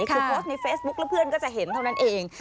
คือโพสต์ในเฟซบุ๊คแล้วเพื่อนก็จะเห็นเท่านั้นเอง